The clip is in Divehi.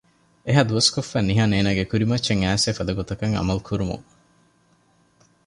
އެހާ ދުވަސްކޮށްފައި ނިހާން އޭނަގެ ކުރިމައްޗަށް އައިސް އެފަދަ ގޮތަކަށް އަމަލު ކުރުމުން